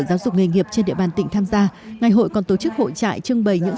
giáo dục nghề nghiệp trên địa bàn tỉnh tham gia ngày hội còn tổ chức hội trại trưng bày những